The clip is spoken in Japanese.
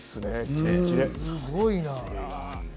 すごいな。